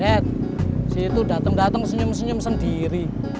red si itu dateng dateng senyum senyum sendiri